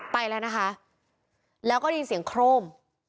ไปแล้วนะคะแล้วก็ได้ยินเสียงโครม